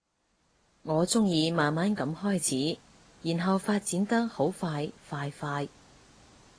我鍾意慢慢噉開始，然後發展得好快快快